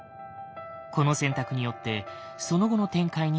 この選択によってその後の展開に変化が。